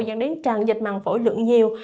dẫn đến tràn dịch màng phổi lượng nhiều